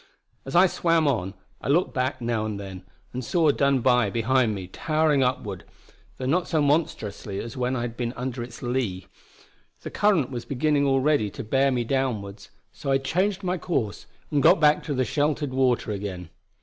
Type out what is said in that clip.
As I swam on, I looked back now and then, and saw Dunbuy behind me towering upward, though not so monstrously as when I had been under its lee. The current was beginning already to bear me downwards; so I changed my course, and got back to the sheltered water again.